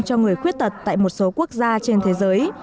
cho người khuyết tật tại một số quốc gia trên thế giới